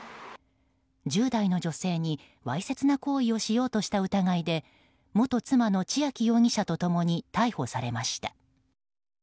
１０代の女性にわいせつな行為をしようとした疑いで元妻の千秋容疑者と共に逮捕されました。